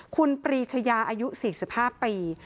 คุณปรีชายาอายุ๔๕ปี